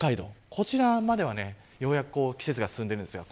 こちらまではようやく季節が進んでいます。